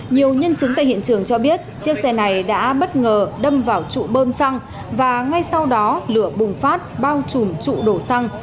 nhiều nhân chứng tại hiện trường cho biết chiếc xe này đã bất ngờ đâm vào trụ bơm xăng và ngay sau đó lửa bùng phát bao trùm trụ đổ xăng